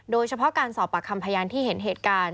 โดยเฉพาะการสอบปากคำพยานที่เห็นเหตุการณ์